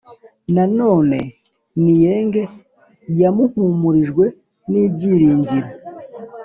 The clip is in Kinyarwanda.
Nanone Nieng yahumurijwe n ibyiringiro